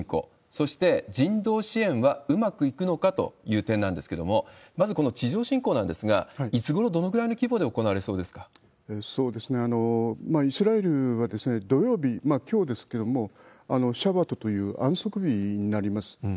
そして、人道支援はうまくいくのかという点なんですけれども、まず、この地上侵攻なんですが、いつごろ、どのぐらいの規模で行わイスラエルは土曜日、きょうですけれども、シャワトという安息日になります。